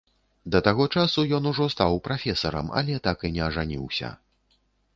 Да таго часу ён ужо стаў прафесарам, але так і не ажаніўся.